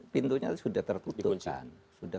pintunya sudah tertutup sudah